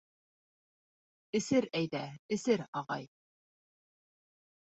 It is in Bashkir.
— Эсер, әйҙә, эсер, ағай.